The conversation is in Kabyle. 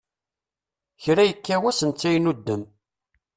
Kra yekka wass netta yennudem.